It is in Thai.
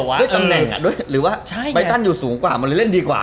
ด้วยตำแหน่งหรือว่าใบตันอยู่สูงกว่ามันเลยเล่นดีกว่า